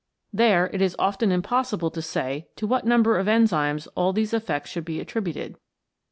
There it is often impossible to say to what number of enzymes all these effects should be attributed.